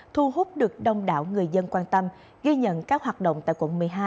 thu hút được đông đảo người dân quan tâm ghi nhận các hoạt động tại quận một mươi hai